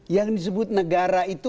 yang disebut negara itu